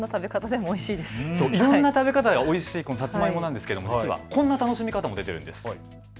いろんな食べ方でおいしいさつまいもですが、こんな楽しみ方も出ているんです。